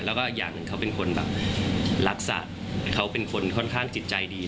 แล้วก็อย่างหนึ่งเขาเป็นคนแบบรักษาเขาเป็นคนค่อนข้างจิตใจดี